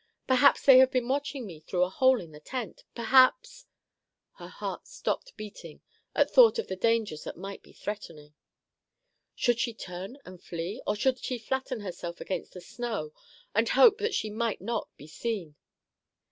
"Perhaps they have been watching me through a hole in the tent. Perhaps—" Her heart stopped beating at thought of the dangers that might be threatening. Should she turn and flee, or should she flatten herself against the snow and hope that she might not be seen?